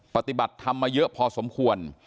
ปฏิบัติธรรมมาเยอะพอสมควร